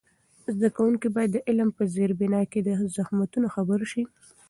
زده کوونکي باید د علم په زېربنا کې له زحمتونو خبر سي.